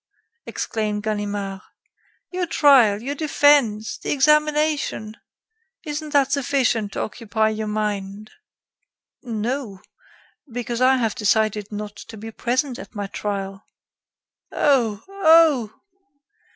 exclaimed Ganimard, "your trial, your defense, the examination isn't that sufficient to occupy your mind?" "No, because I have decided not to be present at my trial." "Oh! oh!"